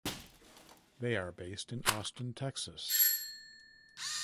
They are based in Austin, Texas.